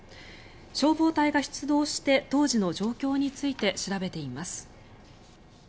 消防隊が出動して当時の状況について調べています。